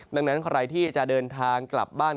ดังนั้นใครที่จะเดินทางกลับบ้าน